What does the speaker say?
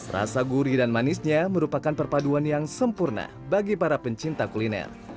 rasa gurih dan manisnya merupakan perpaduan yang sempurna bagi para pencinta kuliner